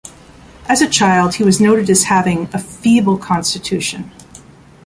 As a child he was noted as having a "feeble constitution".